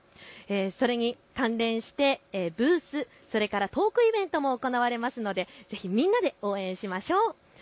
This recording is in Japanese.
それに関連してブース、それからトークイベントも行われますのでぜひみんなで応援しましょう。